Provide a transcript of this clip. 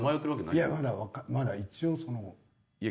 いやまだ一応その。